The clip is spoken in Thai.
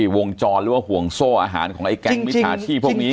วงจรหรือว่าห่วงโซ่อาหารของไอ้แก๊งมิจฉาชีพพวกนี้